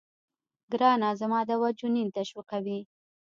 ګرانه زما دوا جنين تشويقوي.